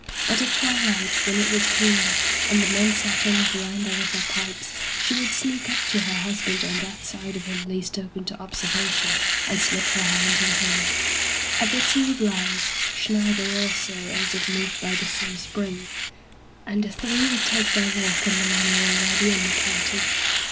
But at twilight, when it was cooler, and the men sat on the veranda with their pipes, she would sneak up to her husband on that side of him least open to ob servation and slip her hand in his. At this he would rise — Schneider also, as if moved by the same spring — ^and the three would take their walk in the manner already indicated.